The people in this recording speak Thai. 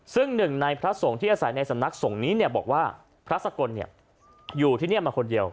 ซึ่งหนึ่งในพระสงฆ์ที่อาศัยในสำนักสงฆ์นี้บอกว่าพระสกลอยู่ที่นี่มาคนเดียว